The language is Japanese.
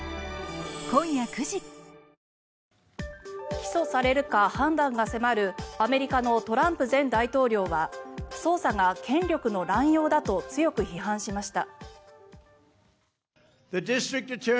起訴されるか判断が迫るアメリカのトランプ前大統領は捜査が権力の乱用だと強く批判しました。